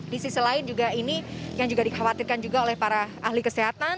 di sisi lain juga ini yang juga dikhawatirkan juga oleh para ahli kesehatan